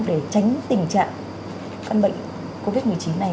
để tránh tình trạng căn bệnh covid một mươi chín này